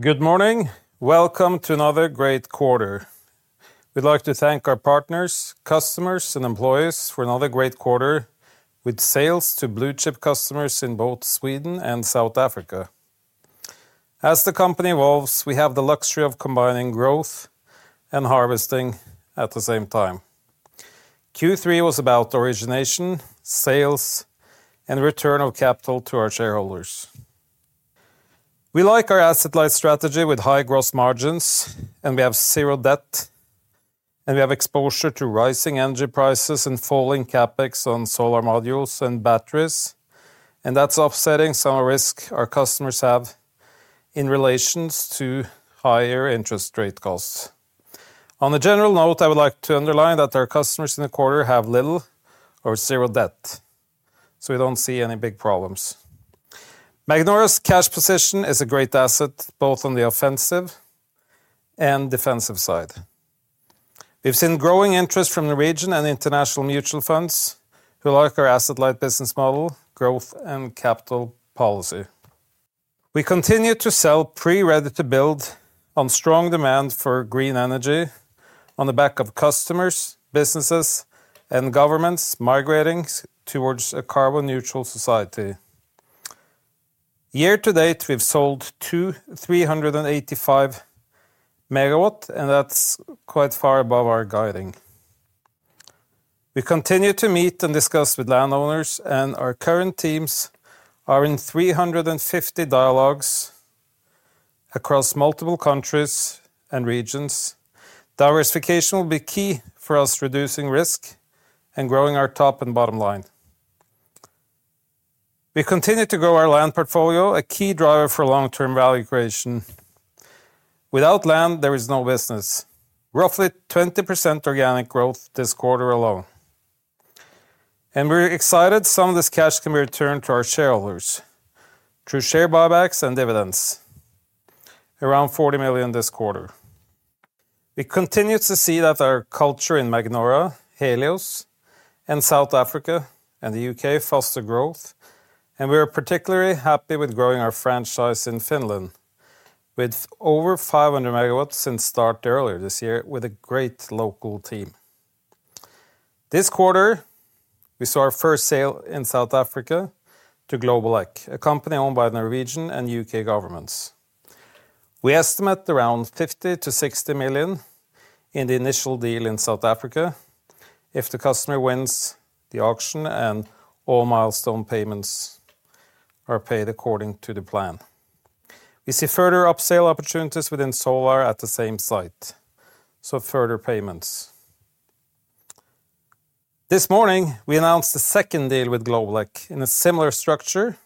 Good morning. Welcome to another great quarter. We'd like to thank our partners, customers, and employees for another great quarter, with sales to blue-chip customers in both Sweden and South Africa. As the company evolves, we have the luxury of combining growth and harvesting at the same time. Q3 was about origination, sales, and return of capital to our shareholders. We like our asset-light strategy with high gross margins, and we have zero debt, and we have exposure to rising energy prices and falling CapEx on solar modules and batteries, and that's offsetting some risk our customers have in relation to higher interest rate costs. On a general note, I would like to underline that our customers in the quarter have little or zero debt, so we don't see any big problems. Magnora's cash position is a great asset, both on the offensive and defensive side. We've seen growing interest from the region and international mutual funds, who like our asset-light business model, growth, and capital policy. We continue to sell pre-ready to build on strong demand for green energy on the back of customers, businesses, and governments migrating towards a carbon-neutral society. Year-to-date, we've sold two, 385 MW, and that's quite far above our guiding. We continue to meet and discuss with landowners, and our current teams are in 350 dialogues across multiple countries and regions. Diversification will be key for us reducing risk and growing our top and bottom line. We continue to grow our land portfolio, a key driver for long-term value creation. Without land, there is no business. Roughly 20% organic growth this quarter alone. We're excited some of this cash can be returned to our shareholders through share buybacks and dividends, around 40 million this quarter. We continue to see that our culture in Magnora, Helios, and South Africa and the U.K. foster growth, and we are particularly happy with growing our franchise in Finland, with over 500 MW since start earlier this year with a great local team. This quarter, we saw our first sale in South Africa to Globeleq, a company owned by the Norwegian and U.K. governments. We estimate around 50 million-60 million in the initial deal in South Africa if the customer wins the auction and all milestone payments are paid according to the plan. We see further upsale opportunities within solar at the same site, so further payments. This morning, we announced a second deal with Globeleq in a similar structure,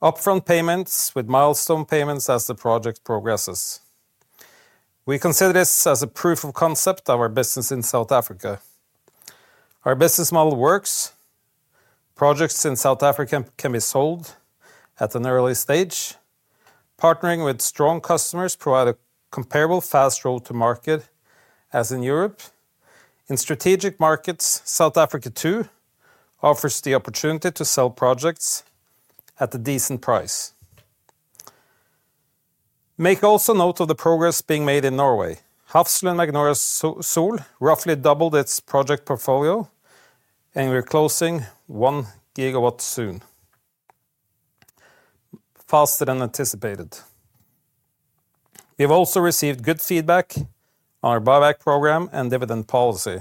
upfront payments with milestone payments as the project progresses. We consider this as a proof of concept of our business in South Africa. Our business model works. Projects in South Africa can be sold at an early stage. Partnering with strong customers provide a comparable fast road to market as in Europe. In strategic markets, South Africa, too, offers the opportunity to sell projects at a decent price. Make also note of the progress being made in Norway. Hafslund Magnora Sol roughly doubled its project portfolio, and we're closing 1 GW soon, faster than anticipated. We've also received good feedback on our buyback program and dividend policy,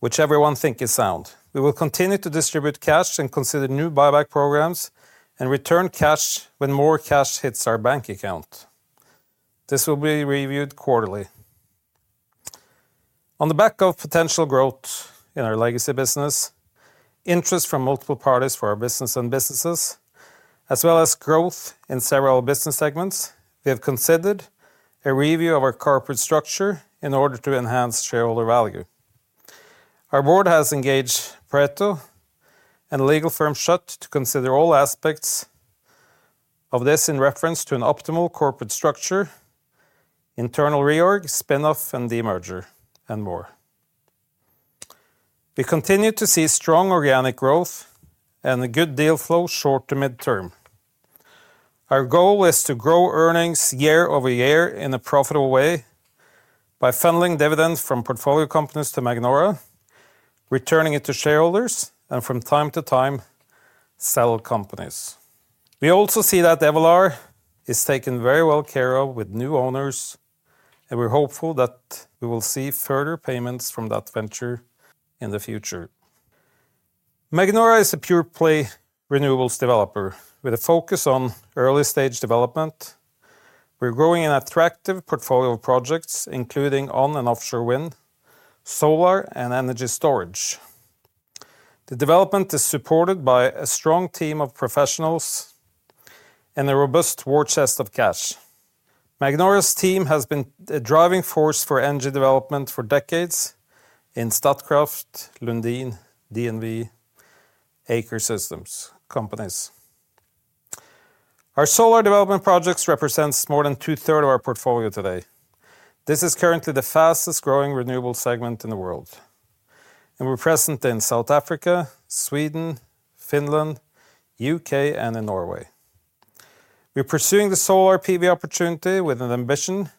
which everyone think is sound. We will continue to distribute cash and consider new buyback programs and return cash when more cash hits our bank account. This will be reviewed quarterly. On the back of potential growth in our legacy business, interest from multiple parties for our business and businesses, as well as growth in several business segments, we have considered a review of our corporate structure in order to enhance shareholder value. Our Board has engaged Pareto and legal firm Schjødt to consider all aspects of this in reference to an optimal corporate structure, internal reorg, spin-off, and demerger, and more. We continue to see strong organic growth and a good deal flow short- to mid-term. Our goal is to grow earnings year-over-year in a profitable way by funneling dividends from portfolio companies to Magnora, returning it to shareholders, and from time to time, sell companies. We also see that Evolar is taken very well care of with new owners, and we're hopeful that we will see further payments from that venture in the future. Magnora is a pure-play renewables developer with a focus on early-stage development. We're growing an attractive portfolio of projects, including onshore and offshore wind, solar, and energy storage. The development is supported by a strong team of professionals and a robust war chest of cash. Magnora's team has been a driving force for energy development for decades in Statkraft, Lundin, DNV, Aker Solutions companies. Our solar development projects represents more than 2/3 of our portfolio today. This is currently the fastest-growing renewable segment in the world. We're present in South Africa, Sweden, Finland, U.K., and in Norway. We're pursuing the solar PV opportunity with an ambition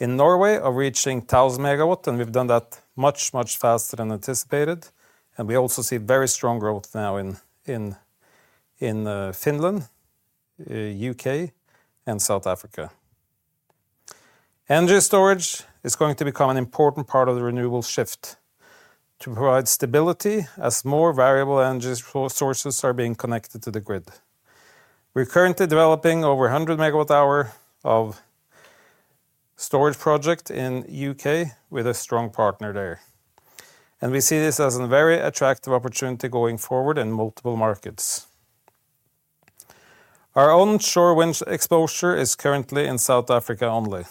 in Norway of reaching 1,000 MW, and we've done that much, much faster than anticipated, and we also see very strong growth now in Finland, U.K., and South Africa. Energy storage is going to become an important part of the renewable shift to provide stability as more variable energy sources are being connected to the grid. We're currently developing over 100 MWh of storage project in U.K. with a strong partner there, and we see this as a very attractive opportunity going forward in multiple markets. Our onshore wind exposure is currently in South Africa only.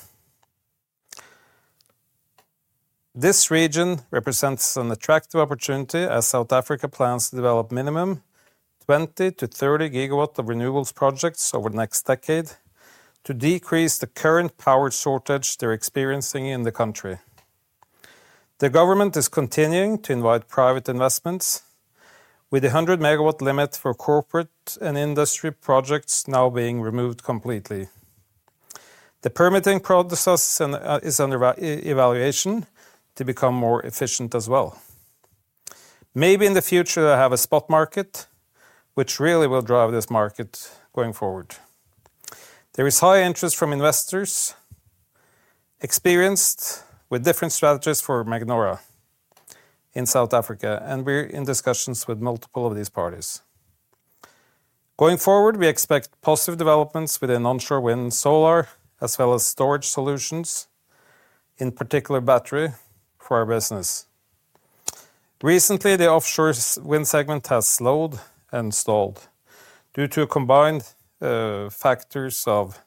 This region represents an attractive opportunity as South Africa plans to develop minimum 20 GW-30 GW of renewables projects over the next decade to decrease the current power shortage they're experiencing in the country. The government is continuing to invite private investments, with a 100 MW limit for corporate and industry projects now being removed completely. The permitting process is under re-evaluation to become more efficient as well. Maybe in the future, they'll have a spot market, which really will drive this market going forward. There is high interest from investors, experienced with different strategies for Magnora in South Africa, and we're in discussions with multiple of these parties. Going forward, we expect positive developments within onshore wind, solar, as well as storage solutions, in particular battery, for our business. Recently, the offshore wind segment has slowed and stalled due to combined factors of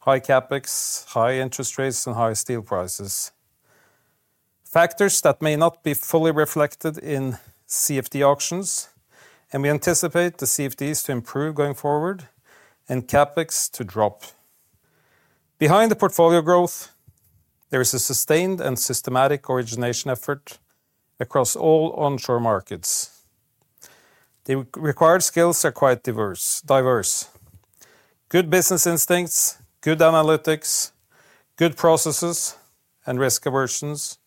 high CapEx, high interest rates, and high steel prices, factors that may not be fully reflected in CFD auctions, and we anticipate the CFDs to improve going forward and CapEx to drop. Behind the portfolio growth, there is a sustained and systematic origination effort across all onshore markets. The required skills are quite diverse: good business instincts, good analytics, good processes and risk aversions,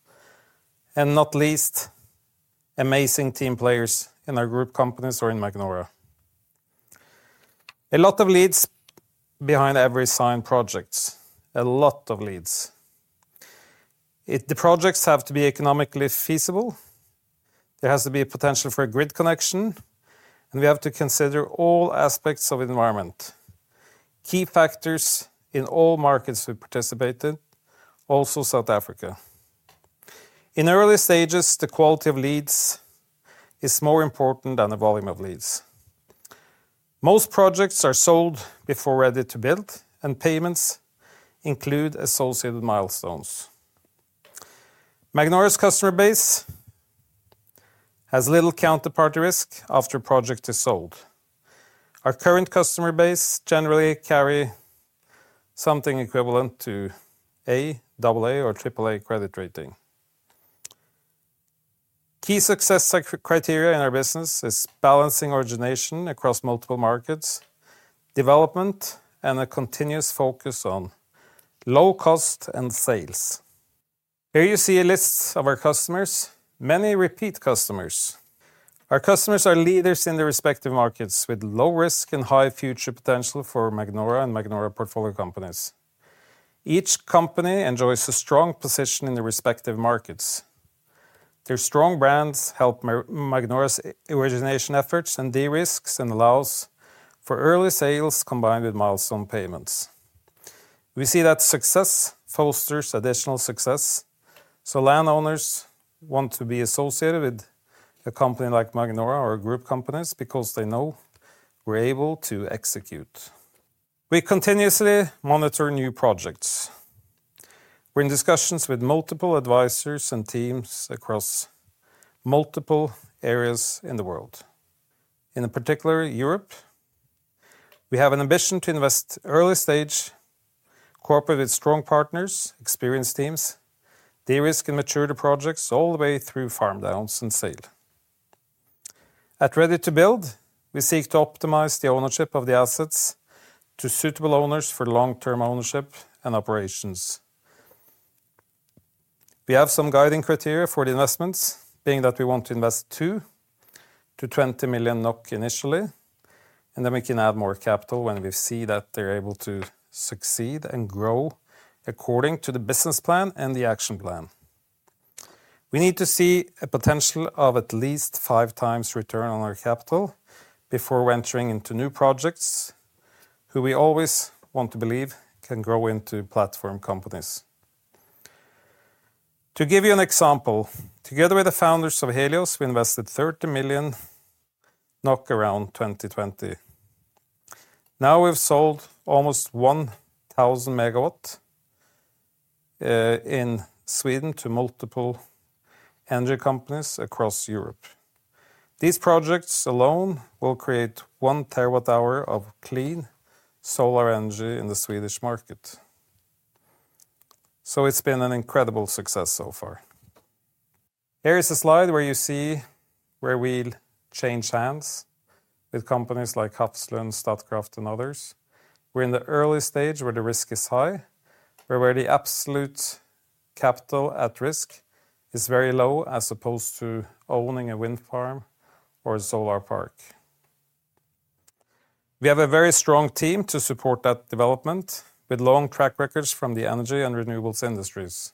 and not least, amazing team players in our group companies or in Magnora. A lot of leads behind every signed project. A lot of leads. If the projects have to be economically feasible, there has to be a potential for a grid connection, and we have to consider all aspects of environment. Key factors in all markets we participate in, also South Africa. In early stages, the quality of leads is more important than the volume of leads. Most projects are sold before ready to build, and payments include associated milestones. Magnora's customer base has little counterparty risk after a project is sold. Our current customer base generally carry something equivalent to A, AA, or AAA credit rating. Key success criteria in our business is balancing origination across multiple markets, development, and a continuous focus on low cost and sales. Here you see a list of our customers, many repeat customers. Our customers are leaders in their respective markets, with low risk and high future potential for Magnora and Magnora portfolio companies. Each company enjoys a strong position in their respective markets. Their strong brands help Magnora's origination efforts and de-risks and allows for early sales combined with milestone payments. We see that success fosters additional success, so landowners want to be associated with a company like Magnora or group companies because they know we're able to execute. We continuously monitor new projects. We're in discussions with multiple advisors and teams across multiple areas in the world. In particular, Europe, we have an ambition to invest early stage, cooperate with strong partners, experienced teams, de-risk and mature the projects all the way through farm downs and sale. At ready to build, we seek to optimize the ownership of the assets to suitable owners for long-term ownership and operations. We have some guiding criteria for the investments, being that we want to invest 2 million-20 million NOK initially, and then we can add more capital when we see that they're able to succeed and grow according to the business plan and the action plan. We need to see a potential of at least 5x return on our capital before venturing into new projects, who we always want to believe can grow into platform companies. To give you an example, together with the founders of Helios, we invested 30 million around 2020. Now, we've sold almost 1,000 MW in Sweden to multiple energy companies across Europe. These projects alone will create 1 TWh of clean solar energy in the Swedish market. So it's been an incredible success so far. Here is a slide where you see where we change hands with companies like Hafslund, Statkraft, and others. We're in the early stage where the risk is high, but where the absolute capital at risk is very low, as opposed to owning a wind farm or a solar park. We have a very strong team to support that development, with long track records from the energy and renewables industries.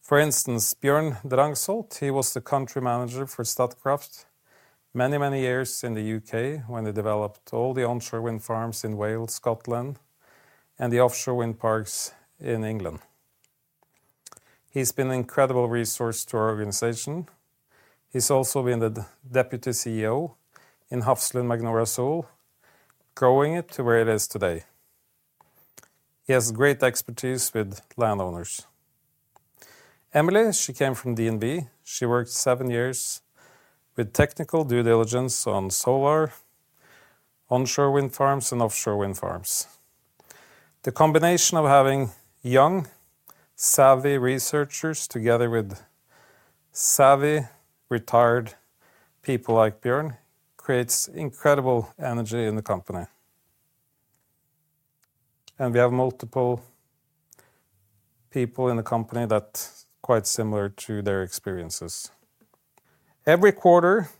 For instance, Bjørn Drangsholt, he was the Country Manager for Statkraft many, many years in the U.K. when they developed all the onshore wind farms in Wales, Scotland, and the offshore wind parks in England. He's been an incredible resource to our organization. He's also been the Deputy CEO in Hafslund Magnora Sol, growing it to where it is today. He has great expertise with landowners. Emilie, she came from DNV. She worked seven years with technical due diligence on solar, onshore wind farms, and offshore wind farms. The combination of having young, savvy researchers together with savvy, retired people like Bjørn, creates incredible energy in the company. We have multiple people in the company that quite similar to their experiences. Every quarter,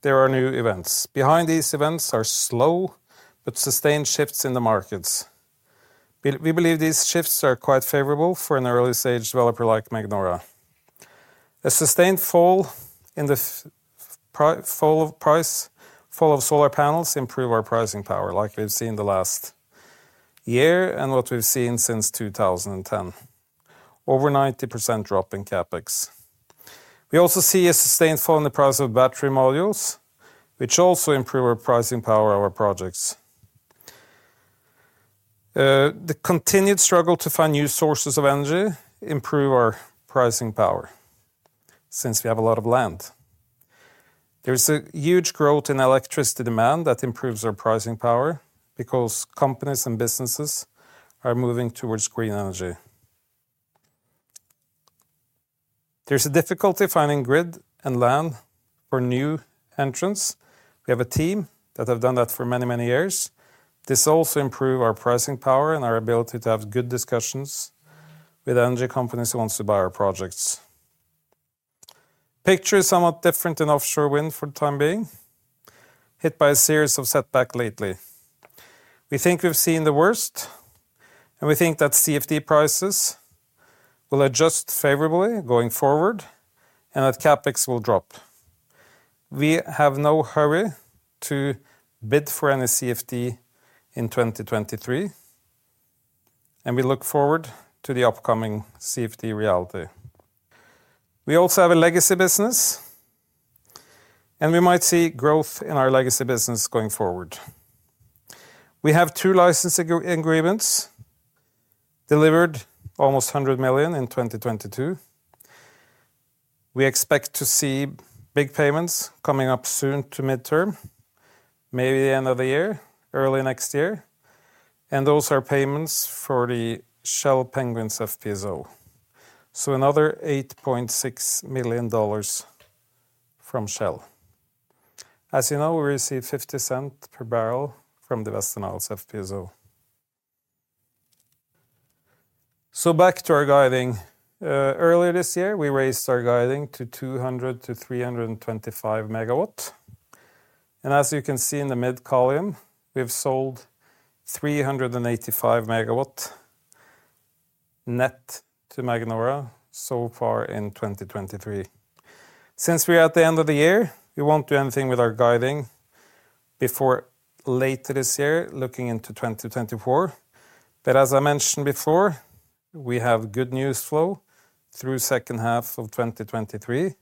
there are new events. Behind these events are slow, but sustained shifts in the markets. We believe these shifts are quite favorable for an early-stage developer like Magnora. A sustained fall in the price of solar panels improves our pricing power, like we've seen in the last year and what we've seen since 2010. Over 90% drop in CapEx. We also see a sustained fall in the price of battery modules, which also improve our pricing power of our projects. The continued struggle to find new sources of energy improve our pricing power, since we have a lot of land. There is a huge growth in electricity demand that improves our pricing power because companies and businesses are moving towards green energy. There's a difficulty finding grid and land for new entrants. We have a team that have done that for many, many years. This also improve our pricing power and our ability to have good discussions with energy companies who wants to buy our projects. Picture is somewhat different in offshore wind for the time being, hit by a series of setback lately. We think we've seen the worst, and we think that CFD prices will adjust favorably going forward and that CapEx will drop. We have no hurry to bid for any CFD in 2023, and we look forward to the upcoming CFD reality. We also have a legacy business, and we might see growth in our legacy business going forward. We have two license agreements, delivered almost $100 million in 2022. We expect to see big payments coming up soon to midterm, maybe the end of the year, early next year, and those are payments for the Shell Penguins FPSO. So another $8.6 million from Shell. As you know, we receive $0.50 per barrel from the Western Isles FPSO. So back to our guiding. Earlier this year, we raised our guiding to 200 MW-325 MW. As you can see in the mid column, we've sold 385 MW net to Magnora so far in 2023. Since we're at the end of the year, we won't do anything with our guiding before late this year, looking into 2024. But as I mentioned before, we have good news flow through second half of 2023,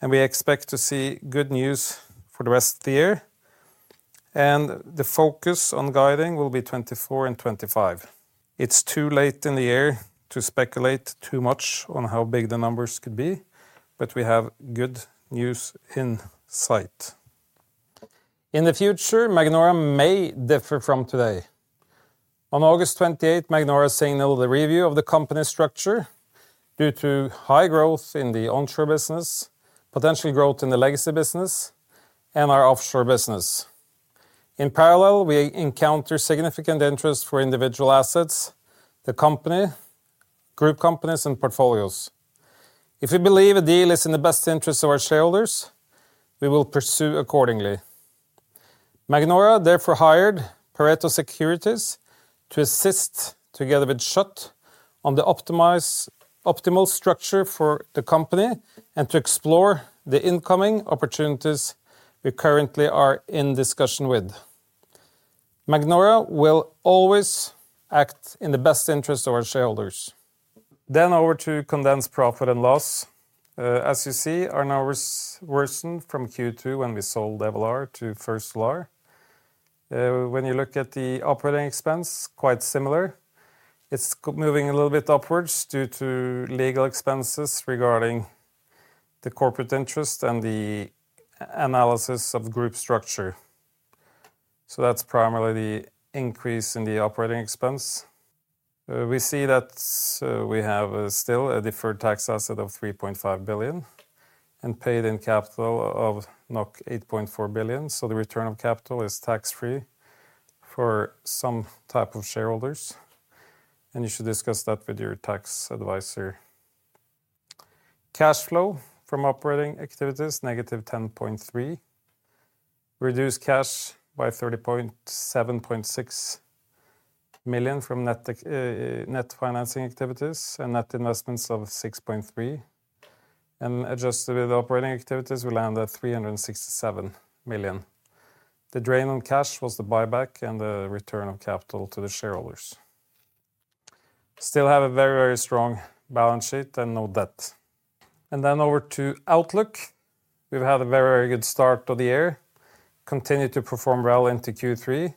and we expect to see good news for the rest of the year, and the focus on guiding will be 2024 and 2025. It's too late in the year to speculate too much on how big the numbers could be, but we have good news in sight. In the future, Magnora may differ from today. On August 28, Magnora signaled a review of the company structure due to high growth in the onshore business, potential growth in the legacy business, and our offshore business. In parallel, we encounter significant interest for individual assets, the company, group companies, and portfolios. If we believe a deal is in the best interest of our shareholders, we will pursue accordingly. Magnora therefore hired Pareto Securities to assist, together with Schjødt, on the optimal structure for the company and to explore the incoming opportunities we currently are in discussion with. Magnora will always act in the best interest of our shareholders. Then over to condensed profit and loss. As you see, our numbers worsened from Q2 when we sold Evolar to First Solar. When you look at the operating expense, quite similar. It's moving a little bit upwards due to legal expenses regarding the corporate interest and the analysis of group structure. So that's primarily the increase in the operating expense. We see that we have still a deferred tax asset of 3.5 billion and paid in capital of 8.4 billion. The return on capital is tax-free for some type of shareholders, and you should discuss that with your tax advisor. Cash flow from operating activities, -10.3 million. Reduced cash by 30.7 million from net financing activities and net investments of 6.3 million. Adjusted with operating activities, we land at 367 million. The drain on cash was the buyback and the return of capital to the shareholders. Still have a very, very strong balance sheet and no debt. Over to outlook. We've had a very good start of the year, continue to perform well into Q3,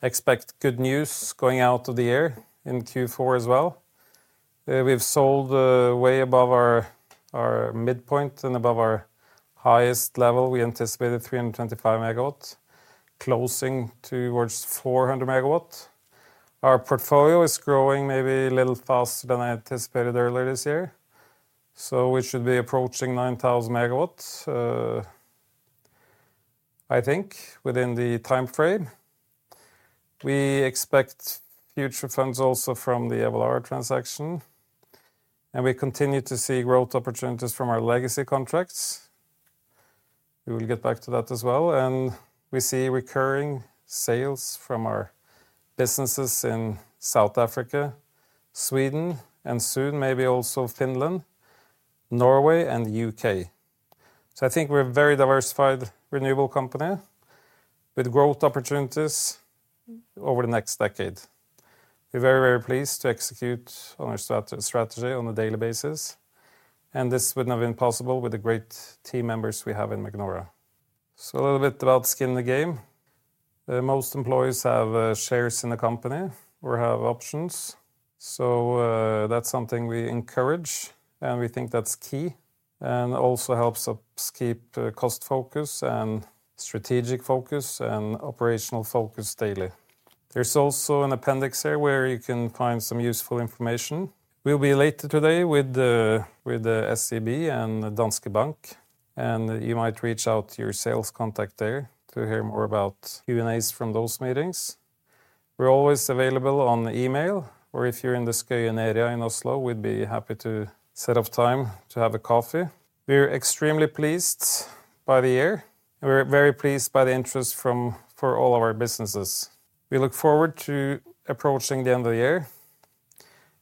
expect good news going out of the year in Q4 as well. We've sold way above our midpoint and above our highest level. We anticipated 325 MW, closing towards 400 MW. Our portfolio is growing maybe a little faster than I anticipated earlier this year, so we should be approaching 9,000 MW, I think, within the timeframe. We expect future funds also from the Evolar transaction, and we continue to see growth opportunities from our legacy contracts. We will get back to that as well, and we see recurring sales from our businesses in South Africa, Sweden, and soon, maybe also Finland, Norway, and the U.K. So I think we're a very diversified renewable company with growth opportunities over the next decade. We're very, very pleased to execute on our strategy on a daily basis, and this would not have been possible with the great team members we have in Magnora. So a little bit about skin in the game. Most employees have shares in the company or have options, so that's something we encourage, and we think that's key, and also helps us keep the cost focus and strategic focus and operational focus daily. There's also an appendix here where you can find some useful information. We'll be later today with the SEB and Danske Bank, and you might reach out to your sales contact there to hear more about Q&A from those meetings. We're always available on email, or if you're in the Skøyen area in Oslo, we'd be happy to set up time to have a coffee. We're extremely pleased by the year, and we're very pleased by the interest from, for all of our businesses. We look forward to approaching the end of the year.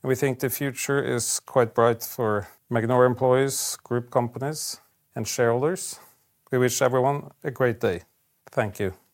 We think the future is quite bright for Magnora employees, group companies, and shareholders. We wish everyone a great day. Thank you.